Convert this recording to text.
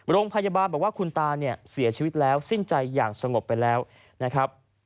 โรงพยาบาลบอกว่าคุณตาเนี่ยเสียชีวิตแล้วสิ้นใจอย่างสงบไปแล้วนะครับ